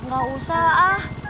gak usah ah